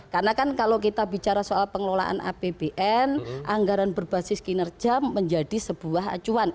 karena kan kalau kita bicara soal pengelolaan apbn anggaran berbasis kinerja menjadi sebuah acuan